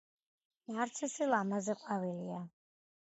ნარცისი ლამაზი ყვავილია